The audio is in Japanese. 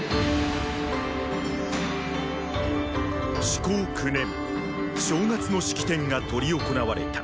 始皇九年正月の式典が執り行われた。